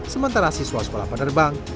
sementara siswa sekolah penerbang